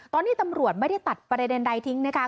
ตอนนี้ตำรวจไม่ได้ตัดประเด็นใดทิ้งนะคะ